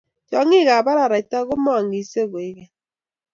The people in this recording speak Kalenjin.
Tiongik ab araraita ko mengishe koek keny